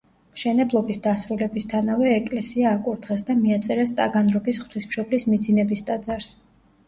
მშენებლობის დასრულებისთანავე ეკლესია აკურთხეს და მიაწერეს ტაგანროგის ღვთისმშობლის მიძინების ტაძარს.